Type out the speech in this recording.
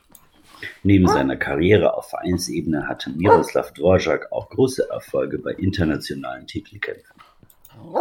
Neben seiner Karriere auf Vereinsebene hatte Miroslav Dvořák auch große Erfolge bei internationalen Titelkämpfen.